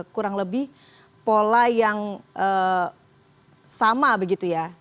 kurang lebih pola yang sama begitu ya